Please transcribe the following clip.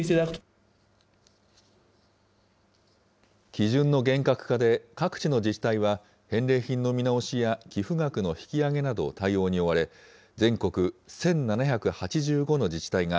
基準の厳格化で、各地の自治体は、返礼品の見直しや、寄付額の引き上げなど対応に追われ、全国１７８５の自治体が、